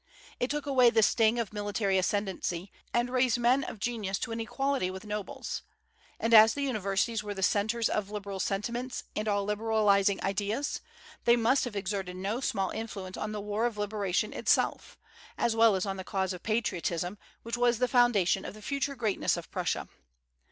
It took away the sting of military ascendency, and raised men of genius to an equality with nobles; and as the universities were the centres of liberal sentiments and all liberalizing ideas, they must have exerted no small influence on the war of liberation itself, as well as on the cause of patriotism, which was the foundation of the future greatness of Prussia.